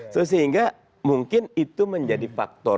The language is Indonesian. sehingga mungkin itu menjadi faktor